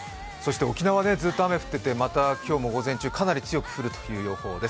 沖縄、ずっと雨が降っていて今日も午前中かなり強く降るという予報です。